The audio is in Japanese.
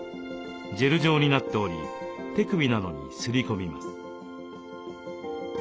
ジェル状になっており手首などにすり込みます。